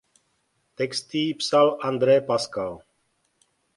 Texty jí psal André Pascal.